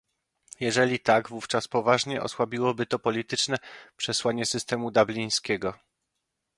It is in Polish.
Jeżeli tak, wówczas poważnie osłabiłoby to polityczne przesłanie systemu dublińskiego